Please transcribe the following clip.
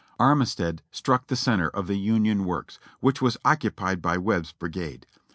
Armistead struck the center of the Union works, which was occupied by Webb's brigade.